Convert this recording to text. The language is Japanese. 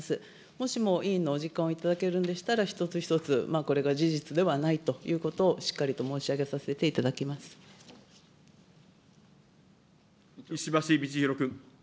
もしも委員のお時間をいただけるのでしたら、一つ一つこれが事実ではないということをしっかりと申し上げさせ石橋通宏君。